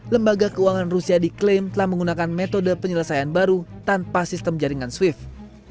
lembaga keuangan rusia diklaim telah menggunakan metode penyelesaian baru tanpa sistem jaringan swift